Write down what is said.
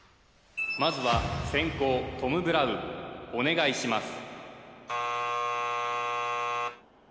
まずは先攻トム・ブラウンお願いします